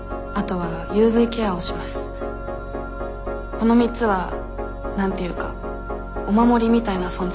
この３つは何て言うかお守りみたいな存在です。